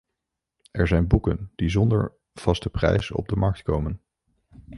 Er zijn boeken die zonder vaste prijs op de markt komen.